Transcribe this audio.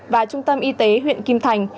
và trung tâm y tế huyện kim thành